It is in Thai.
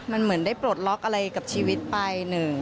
มันเหมือนได้ปลดล็อกอะไรกับชีวิตไป